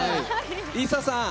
ＩＳＳＡさん